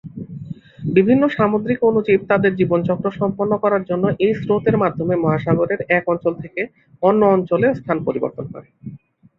বিভিন্ন সামুদ্রিক অণুজীব তাদের জীবনচক্র সম্পন্ন করার জন্য এই স্রোতের মাধ্যমে মহাসাগরের এক অঞ্চল থেকে অন্য অঞ্চলে স্থান পরিবর্তন করে।